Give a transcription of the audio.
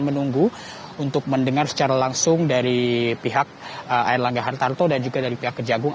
dan menunggu untuk mendengar secara langsung dari pihak air langgan hartarto dan juga dari pihak kejagung